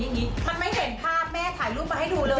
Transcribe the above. ฉันไม่เห็นภาพแม่ถ่ายรูปมาให้ดูเลย